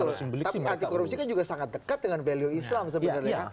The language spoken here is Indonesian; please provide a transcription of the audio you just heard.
tapi antikorupsi kan juga sangat dekat dengan value islam sebenarnya